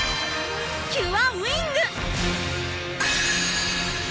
キュアウィング！